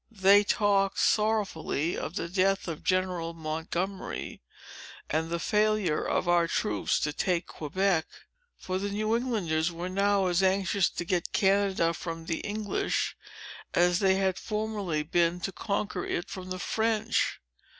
They talked sorrowfully of the death of General Montgomery, and the failure of our troops to take Quebec; for the New Englanders were now as anxious to get Canada from the English, as they had formerly been to conquer it from the French.